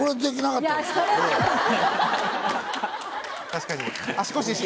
確かに。